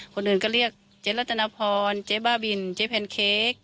คนอื่นก็เรียกเจ๊รัตนพรเจ๊บ้าบินเจ๊แพนเค้ก